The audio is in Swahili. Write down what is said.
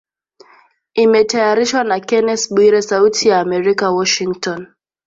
Imetayarishwa na Kennes Bwire sauti ya america Washington